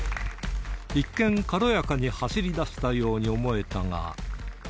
一見、軽やかに走りだしたように思えたが。